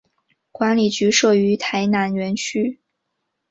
管理局设于台南园区。